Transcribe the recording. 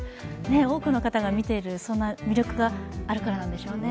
多くの方が見ている、そんな魅力があるからなんでしょうね。